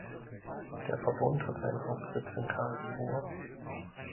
Der Verbund hat seinen Hauptsitz in Karlsruhe.